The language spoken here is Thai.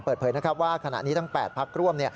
เปิดเผยนะครับว่าขณะนี้ทั้ง๘พักร่วม